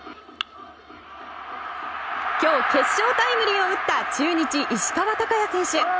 今日、決勝タイムリーを打った中日、石川昂弥選手。